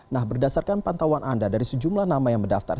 nah berdasarkan pantauan anda dari sejumlah nama yang mendaftar